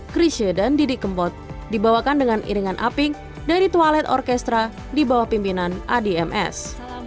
krisye dan didik kempot dibawakan dengan iringan aping dari tualet orkestra di bawah pimpinan adms